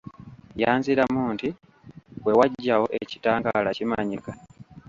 Yanziramu nti, "Bwe wajjawo ekitangaala kimanyika".